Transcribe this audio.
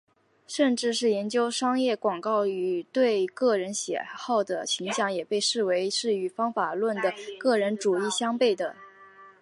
甚至是研究商业广告对于个人喜好的影响也被视为是与方法论的个人主义相背的。